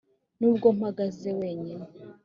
nubwo mpagaze wenyine.